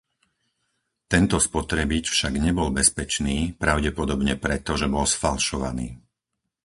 Tento spotrebič však nebol bezpečný, pravdepodobne preto, že bol sfalšovaný.